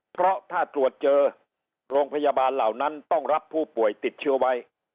เพราะถ้าตรวจเจอโรงพยาบาลเหล่านั้นต้องรับผู้ป่วยติดเชื้อไว้